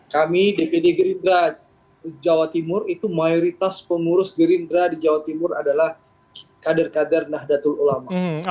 kami dpd gerindra jawa timur itu mayoritas pengurus gerindra di jawa timur adalah kader kader nahdlatul ulama